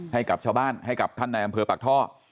ให้กับชาวบ้านให้กับท่านในอำเภอปากท่อ